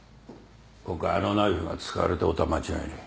今回あのナイフが使われたことは間違いねえ。